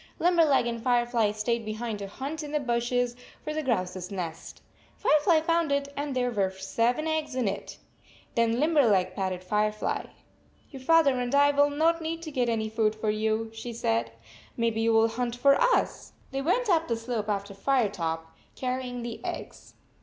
Limberleg and Firefly stayed behind to hunt in the bushes for the grouse s nest. Fire fly found it, and there were seven eggs in it! Then Limberleg patted Firefly. "Your father and I will not need to get any food for you," she said. " Maybe you will hunt for us." They went up the slope after Firetop, carrying the eggs.